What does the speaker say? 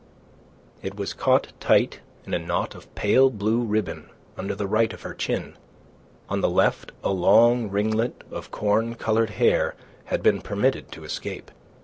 It was caught tight in a knot of pale blue ribbon on the right of her chin; on the left a long ringlet of corn coloured hair had been permitted to escape.